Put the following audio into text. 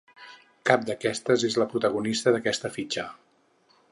Cap d'aquestes és la protagonista d'aquesta fitxa.